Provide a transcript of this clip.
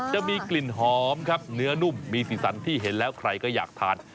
จะมีกลิ่นหอมครับเนื้อนุ่มมีสีสันที่เห็นแล้วใครก็อยากทาน